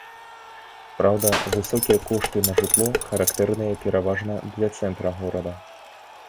Праўда, высокія кошты на жытло характэрныя пераважна для цэнтра горада.